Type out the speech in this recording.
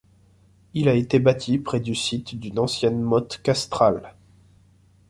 Il a été bâti près du site d'une ancienne motte castrale.